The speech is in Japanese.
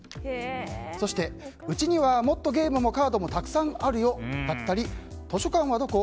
そして、うちにはもっとゲームもカードもたくさんあるよだったり図書館はどこ？